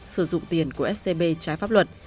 sử dụng tiền của scb trái pháp luật